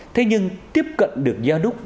thế nhưng tiếp cận được gia đúc